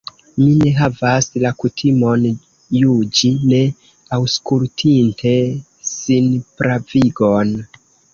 Mi ne havas la kutimon juĝi, ne aŭskultinte sinpravigon.